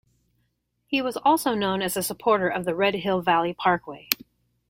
He was also known as a supporter of the Red Hill Valley Parkway.